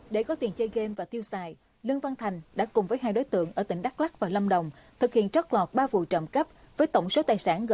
để có tiền chơi game và tiêu xài lương văn thành đã cùng với hai đối tượng ở tỉnh đắc lắc và lâm đồng thực hiện trót lọt ba vụ trộm cấp với tổng số tài sản gần hai trăm linh triệu